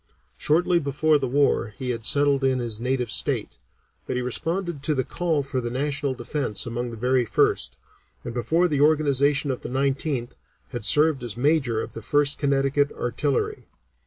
Shortly before the war he had settled in his native state, but he responded to the call for the national defence among the very first, and before the organization of the Nineteenth had served as Major of the First Connecticut Artillery.